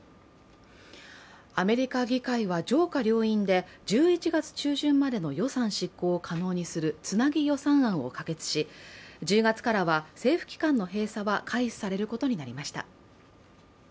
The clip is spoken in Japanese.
アメリカ議会は上下両院で１１月中旬までの予算執行を可能にするつなぎ予算案を可決し、１０月からは政府機関の閉鎖は回避されることになりました。